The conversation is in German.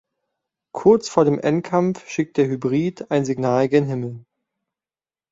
Kurz vor dem Endkampf schickt der „Hybrid“ ein Signal gen Himmel.